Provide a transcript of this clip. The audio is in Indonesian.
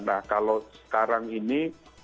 nah kalau sekarang ini